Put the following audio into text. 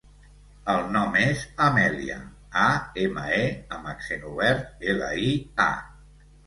El nom és Amèlia: a, ema, e amb accent obert, ela, i, a.